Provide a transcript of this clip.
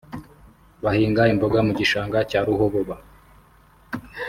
bahinga imboga mu gishanga cya Ruhoboba